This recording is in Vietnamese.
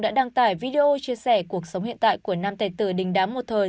đã đăng tải video chia sẻ cuộc sống hiện tại của nam tài tử đình đám một thời